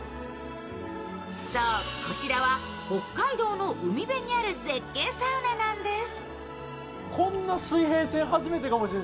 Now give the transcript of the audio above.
そう、こちらは北海道の海辺にある絶景サウナなんです。